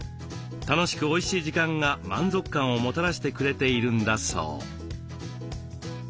楽しくおいしい時間が満足感をもたらしてくれているんだそう。